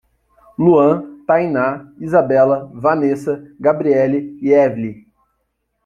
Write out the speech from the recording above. Luan, Tainá, Isabella, Vanesa, Gabriele e Evely